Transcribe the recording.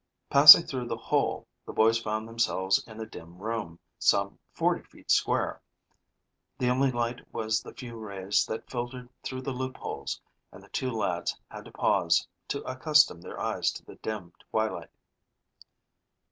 Passing through the hole, the boys found themselves in a dim room, some forty feet square. The only light was the few rays that filtered through the loopholes, and the two lads had to pause to accustom their eyes to the dim twilight.